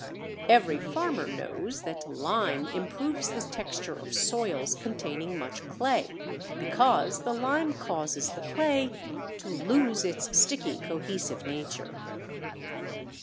Every farmer knows that lime improves the texture of soils containing much clay, because the lime causes the clay to lose its sticky cohesive nature.